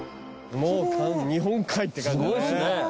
もう日本海って感じだね。